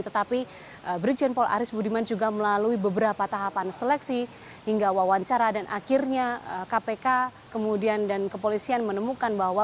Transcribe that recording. tetapi brigjen paul aris budiman juga melalui beberapa tahapan seleksi hingga wawancara dan akhirnya kpk kemudian dan kepolisian menemukan bahwa